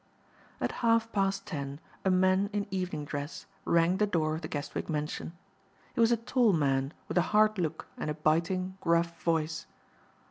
At half past ten a man in evening dress rang the door of the Guestwick mansion. He was a tall man with a hard look and a biting, gruff voice.